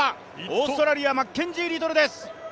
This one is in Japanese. オーストラリア、マッケンジー・リトルです。